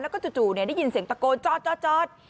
แล้วก็จู่ได้ยินเสียงตะโกนจอด